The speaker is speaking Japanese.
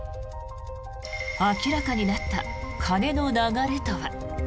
明らかになった金の流れとは。